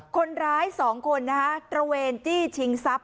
คนร้าย๒คนนะคะตระเวนจี้ชิงทรัพย